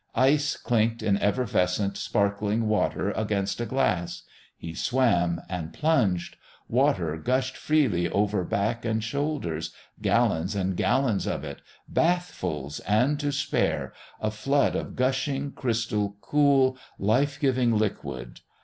Ice clinked in effervescent, sparkling water against a glass. He swam and plunged. Water gushed freely over back and shoulders, gallons and gallons of it, bathfuls and to spare, a flood of gushing, crystal, cool, life giving liquid....